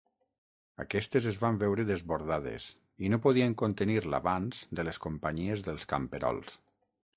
Aquestes es van veure desbordades i no podien contenir l'avanç de les companyies dels camperols.